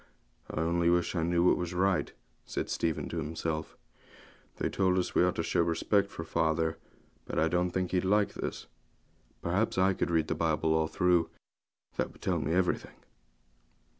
'I only wish I knew what was right,' said Stephen to himself; 'they told us we ought to show respect for father, but I don't think he'd like this. Perhaps if I could read the Bible all through, that would tell me everything.'